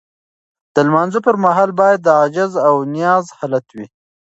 د لمانځه پر مهال باید د عجز او نیاز حالت وي.